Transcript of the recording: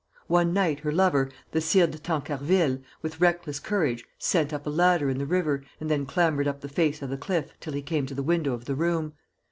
One night, her lover, the Sire de Tancarville, with reckless courage, set up a ladder in the river and then clambered up the face of the cliff till he came to the window of the room.